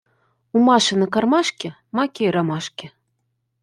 У Маши на кармашке маки и ромашки.